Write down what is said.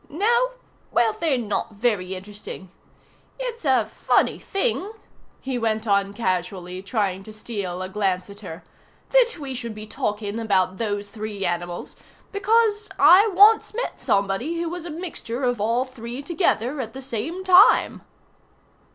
"No? Well, they're not very interesting. It's a funny thing," he went on casually, trying to steal a glance at her, "that we should be talking about those three animals, because I once met somebody who was a mixture of all three together at the same time."